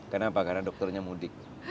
kenapa karena dokternya mudik